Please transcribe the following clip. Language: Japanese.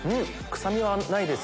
臭みはないです